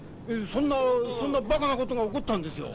そんなそんなバカなことが起こったんですよ。